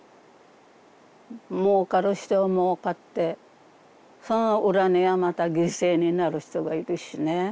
もうかる人はもうかってその裏にはまた犠牲になる人がいるしね。